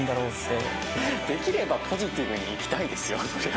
できればポジティブにいきたいですよ。